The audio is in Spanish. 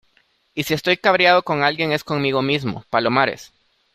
y si estoy cabreado con alguien es conmigo mismo, Palomares.